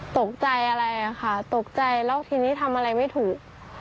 ตกใจอะไรค่ะตกใจแล้วทีนี้ทำอะไรไม่ถูก